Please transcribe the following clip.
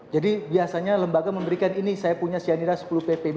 jadi biasanya lembaga memberikan ini saya punya si anida sepuluh ppb